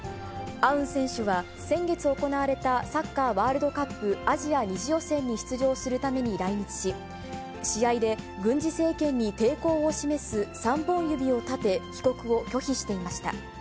アウン選手は、先月行われたサッカーワールドカップアジア２次予選に出場するために来日し、試合で軍事政権に抵抗を示す３本指を立て、帰国を拒否していました。